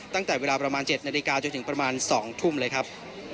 ตั้งแต่เวลาประมาณ๗นาฬิกาจนถึงประมาณ๒ทุ่มเลยครับ